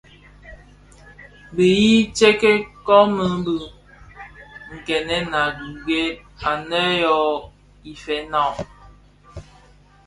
Be yii tsè kōm bi nkènèn a gued anë yō Ifëërèna.